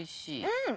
うん！